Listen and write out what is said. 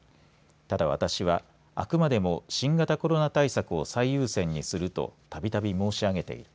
ただ私は、あくまでも新型コロナ対策を最優先にするとたびたび申し上げている。